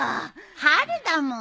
春だもん。